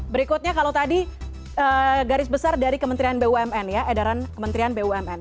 berikutnya kalau tadi garis besar dari kementerian bumn ya edaran kementerian bumn